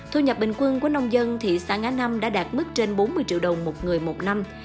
thu nhập bình quân của nông dân thị xã ngã năm đã đạt mức trên bốn mươi triệu đồng một người một năm